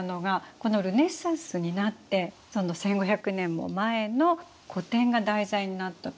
このルネサンスになってその１，５００年も前の古典が題材になったと。